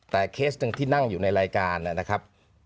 แต่เคสหนึ่งที่นั่งอยู่ในรายการนะครับ